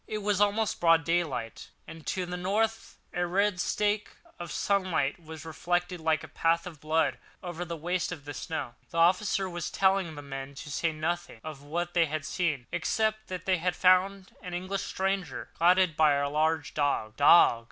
It was almost broad daylight, and to the north a red streak of sunlight was reflected, like a path of blood, over the waste of snow. The officer was telling the men to say nothing of what they had seen, except that they found an English stranger, guarded by a large dog. "Dog!